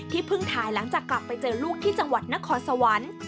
เพิ่งถ่ายหลังจากกลับไปเจอลูกที่จังหวัดนครสวรรค์